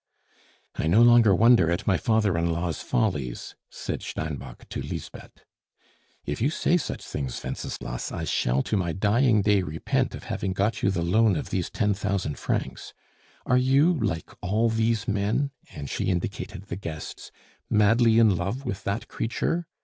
"I no longer wonder at my father in law's follies," said Steinbock to Lisbeth. "If you say such things, Wenceslas, I shall to my dying day repent of having got you the loan of these ten thousand francs. Are you, like all these men," and she indicated the guests, "madly in love with that creature?